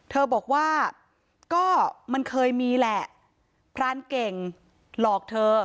เธอบอกว่าก็มันเคยมีแหละพรานเก่งหลอกเธอ